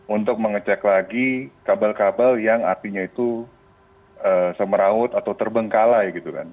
untuk mengecek lagi kabel kabel yang artinya itu semeraut atau terbengkalai gitu kan